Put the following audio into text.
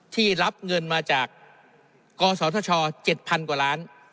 ที่รับเงินมาจากกศธช๗๐๐กว่าล้าน